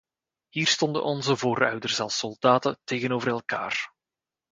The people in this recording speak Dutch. Hier stonden onze voorouders als soldaten tegenover elkaar.